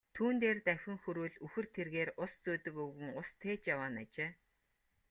Түүн дээр давхин хүрвэл үхэр тэргээр ус зөөдөг өвгөн ус тээж яваа нь ажээ.